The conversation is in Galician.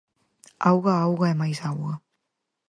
Auga, auga e máis auga.